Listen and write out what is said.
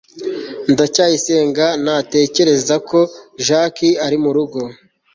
ndacyayisenga ntatekereza ko jaki ari murugo